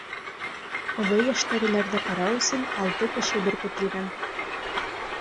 Оло йәштәгеләрҙе ҡарау өсөн алты кеше беркетелгән.